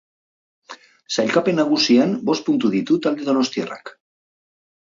Sailkapen nagusian, bost puntu ditu talde donostiarrak.